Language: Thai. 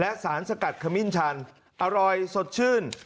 และสารสกัดขมิ้นชันอร่อยสดชื่น